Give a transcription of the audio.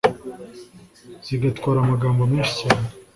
Zigatwara amagambo menshi cyane